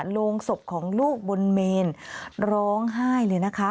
โรงศพของลูกบนเมนร้องไห้เลยนะคะ